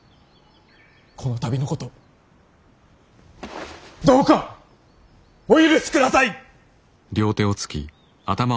この度のことどうかお許しください！